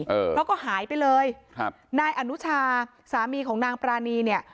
เออแล้วก็หายไปเลยครับนายอนุชาสามีของนางปรานีเนี่ย